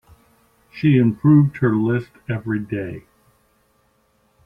She improved her list every day.